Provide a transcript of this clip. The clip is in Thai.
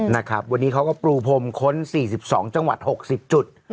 นะครับวันนี้เขาก็ปรูพรมค้น๔๒จังหวัด๖๐จุด